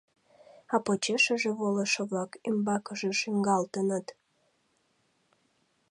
А почешыже волышо-влак ӱмбакыже шуҥгалтыныт.